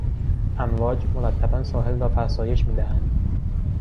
امواج مرتبا ساحل را فرسایش میدهند.